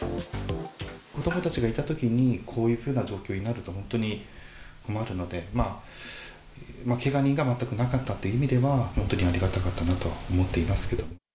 子どもたちがいたときにこういうふうな状況になると、本当に困るので、けが人が全くなかったっていう意味では、本当にありがたかったなと思っていますけど。